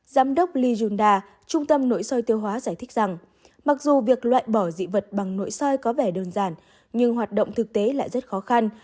giám đốc lee jounda trung tâm nội soi tiêu hóa giải thích rằng mặc dù việc loại bỏ dị vật bằng nội soi có vẻ đơn giản nhưng hoạt động thực tế lại rất khó khăn